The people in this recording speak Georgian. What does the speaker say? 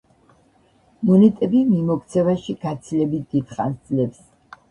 მონეტები მიმოქცევაში გაცილებით დიდხანს ძლებს.